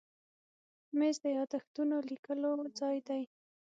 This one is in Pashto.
مېز د یاداښتونو لیکلو ځای دی.